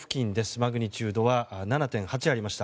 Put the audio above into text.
マグニチュードは７．８ありました。